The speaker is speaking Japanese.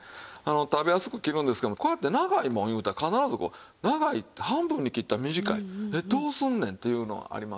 食べやすく切るんですけどもこうやって長いもんいうたら必ずこう長いって半分に切ったら短い「えっ？どうすんねん」っていうのありません？